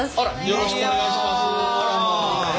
よろしくお願いします。